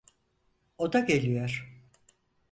O da geliyor.